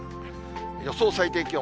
予想最低気温。